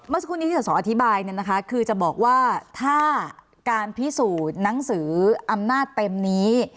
สักครู่นี้ที่สสอธิบายเนี่ยนะคะคือจะบอกว่าถ้าการพิสูจน์หนังสืออำนาจเต็มนี้